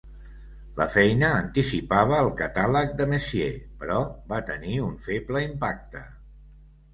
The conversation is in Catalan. La feina anticipava el catàleg de Messier, però va tenir un feble impacte.